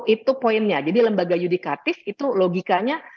itu poinnya jadi lembaga yudikatif itu logikanya